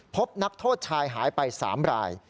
พบนักโทษชายหายไป๓ราย